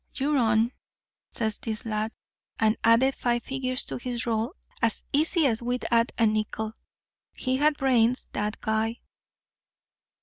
'You're on,' says this lad, and added five figures to his roll as easy as we'd add a nickel. He had brains, that guy."